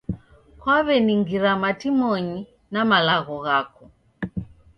Kwaweningira matimonyi na malagho ghako